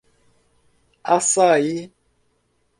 Assaí